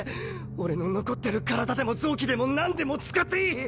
俺の残ってる体でも臓器でも何でも使っていい！